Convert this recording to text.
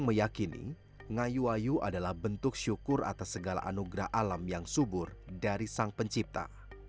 meyakini ngayu ayu adalah bentuk syukur atas segala anugerah alam yang subur dari sang pencipta